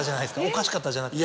おかしかったじゃなくて。